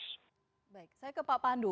saya ke pak pandu